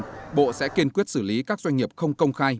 tuy nhiên bộ sẽ kiên quyết xử lý các doanh nghiệp không công khai